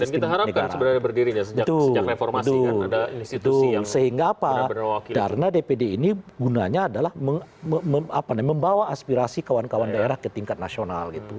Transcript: karena dpd ini gunanya adalah membawa aspirasi kawan kawan daerah ke tingkat nasional